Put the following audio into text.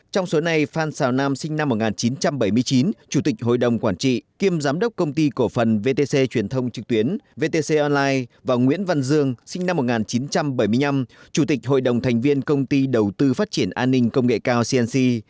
trong số này phan xào nam sinh năm một nghìn chín trăm bảy mươi chín chủ tịch hội đồng quản trị kiêm giám đốc công ty cổ phần vtc truyền thông trực tuyến vtc online và nguyễn văn dương sinh năm một nghìn chín trăm bảy mươi năm chủ tịch hội đồng thành viên công ty đầu tư phát triển an ninh công nghệ cao cnc